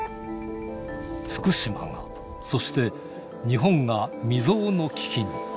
福島が、そして、日本が未曽有の危機に。